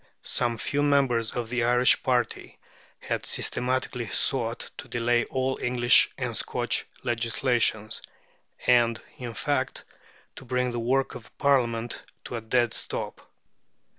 Some few members of the Irish party had systematically sought to delay all English and Scotch legislation, and, in fact, to bring the work of Parliament to a dead stop.